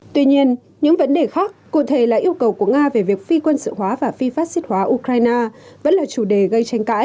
tuy nhiên những vấn đề khác cụ thể là yêu cầu của nga về việc phi quân sự hóa và phi phát xít hóa ukraine vẫn là chủ đề gây tranh cãi